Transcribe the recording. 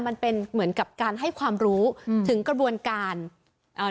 มันเป็นเหมือนกับการให้ความรู้ถึงกระบวนการอ่า